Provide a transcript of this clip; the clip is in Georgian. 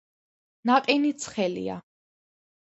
ნაყინი ცხელია